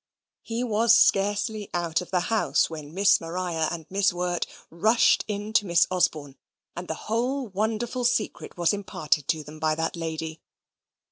He was scarcely out of the house, when Miss Maria and Miss Wirt rushed in to Miss Osborne, and the whole wonderful secret was imparted to them by that lady.